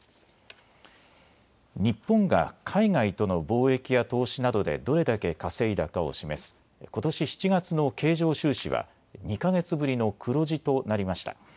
日本が海外との貿易や投資などでどれだけ稼いだかを示すことし７月の経常収支は２か月ぶりの黒字となりました。